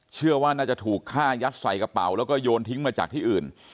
เชื่อว่าน่าจะถูกฆ่ายัดใส่กระเป๋าแล้วก็โยนทิ้งมาจากที่อื่น